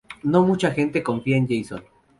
No mucha gente confía en Jason.